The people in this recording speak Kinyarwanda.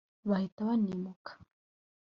bahita banimuka